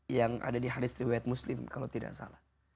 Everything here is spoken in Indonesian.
yang ada di haris riwayat muslim kalau tidak salah